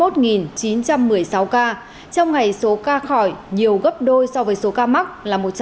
trong ngày số ca khỏi nhiều gấp đôi so với số ca mắc là một trăm tám mươi năm tám trăm sáu mươi một ca